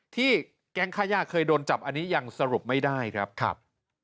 แก๊งค่าย่าเคยโดนจับอันนี้ยังสรุปไม่ได้ครับครับ